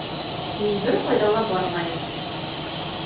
Мин бер ҡайҙа ла бармайым.